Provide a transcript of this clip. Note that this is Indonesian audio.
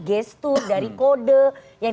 gestur dari kode yang